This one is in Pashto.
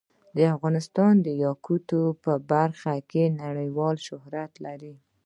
افغانستان د یاقوت په برخه کې نړیوال شهرت لري.